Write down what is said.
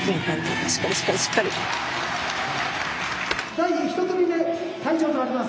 第１組目退場となります。